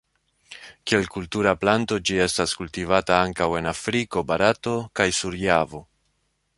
Kiel kultura planto ĝi estas kultivata ankaŭ en Afriko, Barato kaj sur Javo.